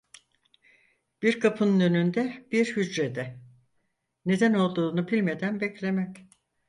Bir kapının önünde, bir hücrede, neden olduğunu bilmeden beklemek.